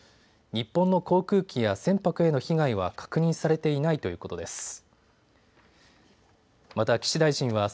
日本の航空機や船舶への被害は確認されていないということです。